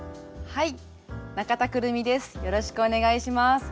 はい。